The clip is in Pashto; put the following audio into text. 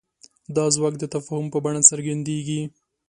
دا ځواک د تفاهم په بڼه څرګندېږي.